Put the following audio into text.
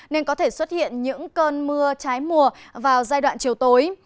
nên có thể xuất hiện những cơn mưa trái mùa vào giai đoạn chiều tối